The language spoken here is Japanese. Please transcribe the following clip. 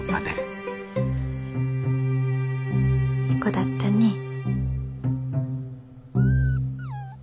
いい子だったね。